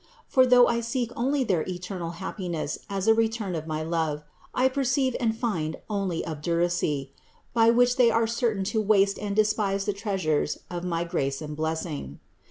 For though I seek only their eternal happiness as a return of my love, I perceive and find only obduracy, by which they are certain to waste and despise the treasures of my grace and blessing.